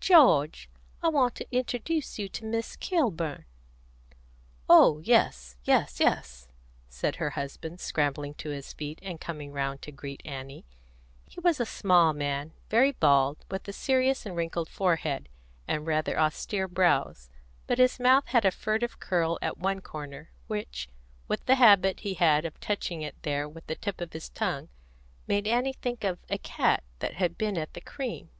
"George, I want to introduce you to Miss Kilburn." "Oh yes, yes, yes," said her husband, scrambling to his feet, and coming round to greet Annie. He was a small man, very bald, with a serious and wrinkled forehead, and rather austere brows; but his mouth had a furtive curl at one corner, which, with the habit he had of touching it there with the tip of his tongue, made Annie think of a cat that had been at the cream.